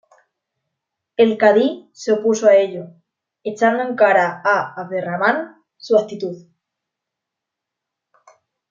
El cadí se opuso a ello, echando en cara a Abderramán su actitud.